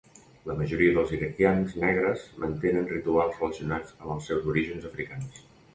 La majoria dels iraquians negres mantenen rituals relacionats amb els seus orígens africans.